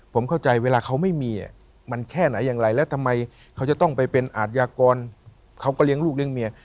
ผมเข้าใจเวลาเขาไม่มีมันแค่ไหนอย่างไรแล้วทำไมเขาจะต้องไปเป็นอาทยากรเขาก็เลี้ยงลูกเลี้ยงเมีย